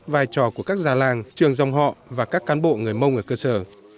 vai trò của các già làng trường dòng họ và các cán bộ người mông ở cơ sở